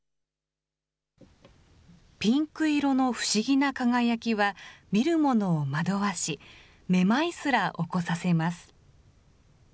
ピンク色の不思議な輝きは見るものを惑わし、めまいすら起こ